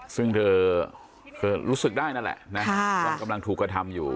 ซึ่งเธอรู้สึกได้นั่นแหละนะว่ากำลังถูกกระทำอยู่